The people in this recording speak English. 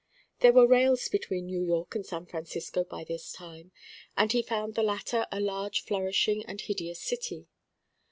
There were rails between New York and San Francisco by this time, and he found the latter a large flourishing and hideous city.